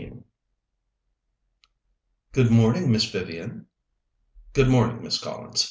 XIV "Good morning, Miss Vivian." "Good morning, Miss Collins.